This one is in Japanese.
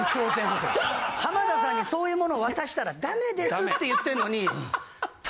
「浜田さんにそういうものを渡したらダメです」って言ってんのに。